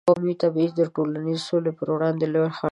قومي تبعیض د ټولنیزې سولې پر وړاندې لوی خنډ دی.